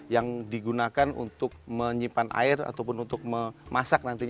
yang digunakan untuk menyimpan air ataupun untuk memasak nantinya